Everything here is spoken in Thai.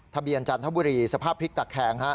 ทะเบียนจันทบุรีสภาพพลิกตักแข็ง